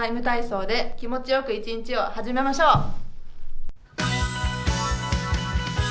体操」で気持ちよく一日を始めましょう。